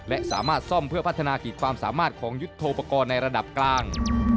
และสามารถซ่อมเพื่อพัฒนากิจความสามารถของยุทธโทปกรณ์ในระดับกลาง